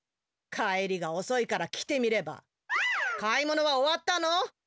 帰りがおそいから来てみれば買い物は終わったの？